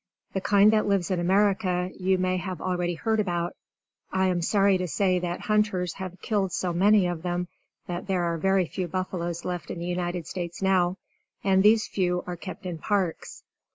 The kind that lives in America you may have already heard about. I am sorry to say that hunters have killed so many of them, that there are very few buffaloes left in the United States now; and these few are kept in parks.